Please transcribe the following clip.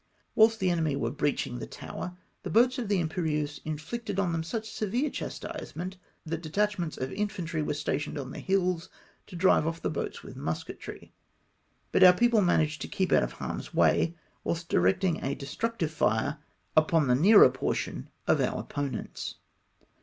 Wliilst the enemy were breaching the tower, the boats of the Imperieuse inflicted on them such severe chastisement, that detachments of infantry were sta tioned on the hills to drive off" the boats with musketry ; but our people managed to keep out of harm's way, whilst du^ecting a destructive fire upon the nearer por tion of our opponents.